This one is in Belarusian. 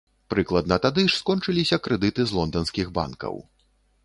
Прыкладна тады ж скончыліся крэдыты з лонданскіх банкаў.